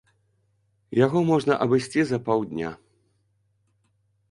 Яго можна абысці за паўдня.